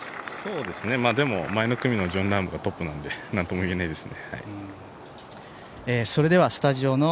でも前の組のジョン・ラームがトップなのでなんとも言えないですね。